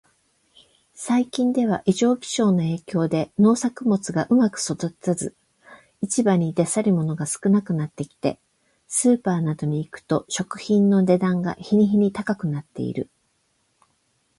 最近では、異常気象の影響で農作物がうまく育たず、市場に出せるものが少なくなってきて、スーパーなどに行くと食品の値段が日に日に高くなっている。